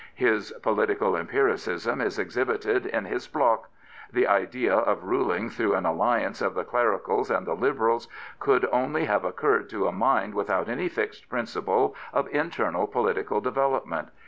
His political empiricism is ex hibited in his bloc. The idea of ruling through an alliance of the Clericals and the Liberals could only have occurred to a mind without any fixed principle of internal political development.